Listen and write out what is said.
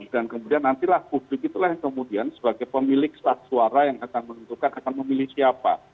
kemudian nantilah publik itulah yang kemudian sebagai pemilik staf suara yang akan menentukan akan memilih siapa